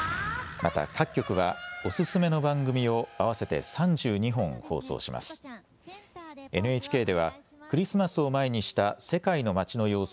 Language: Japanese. また各局はお勧めの番組を合わせて３２本放送します。